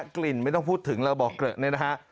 กลิ่นไม่ต้องพูดถึงเลยอะบ่อกเเกลอนี่นะฮะ